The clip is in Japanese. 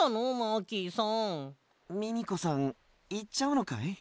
ミミコさんいっちゃうのかい？